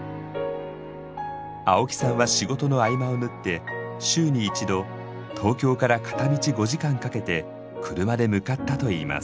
青木さんは仕事の合間を縫って週に１度東京から片道５時間かけて車で向かったといいます。